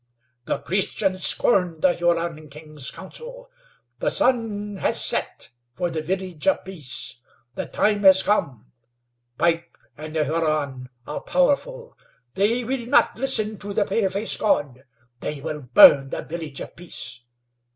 The Christians scorned the Huron King's counsel. The sun has set for the Village of Peace. The time has come. Pipe and the Huron are powerful. They will not listen to the paleface God. They will burn the Village of Peace.